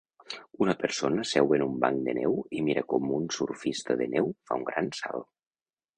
Una persona seu en un banc de neu i mira com un surfista de neu fa un gran salt.